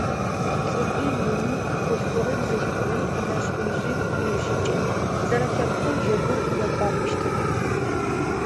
Цӏыкӏуи ини, хъулъфыгъи бзылъфыгъи, нэжъ-ӏужъи ныбжьыкӏи - зэрэлъэпкъэу джэгур якӏуапӏэщтыгъэ.